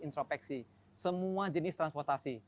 intropeksi semua jenis transportasi